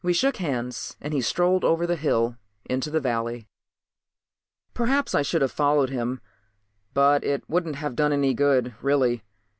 We shook hands and he strolled over the hill into the valley. Perhaps I should have followed him, but it wouldn't have done any good, really.